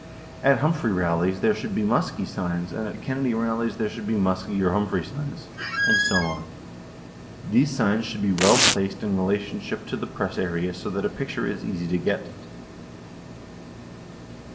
At Humphrey rallies, there should be Muskie signs and at Kennedy rallies there should be Muskie or Humphrey signs, and so on. These signs should be well placed in relationship to the press area so that a picture is easy to get.